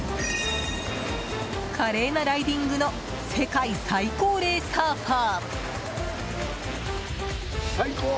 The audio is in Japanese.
華麗なライディングの世界最高齢サーファー。